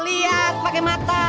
lihat pakai mata